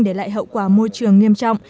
để lại hậu quả môi trường nghiêm trọng